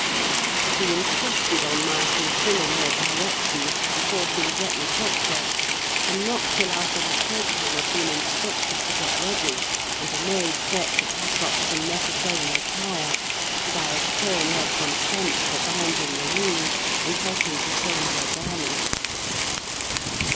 She insisted on my fulfilling her directions, before she would let me touch her; and not till after the coachman had been instructed to get ready, and a maid set to pack up some necessary attire, did I obtain her consent for binding the wound and helping to change her garments.